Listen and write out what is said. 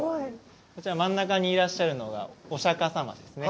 こちら真ん中にいらっしゃるのがお釈迦様ですね。